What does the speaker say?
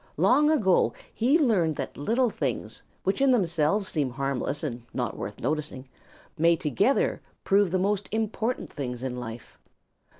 Long ago he learned that little things which in themselves seem harmless and not worth noticing may together prove the most important things in life.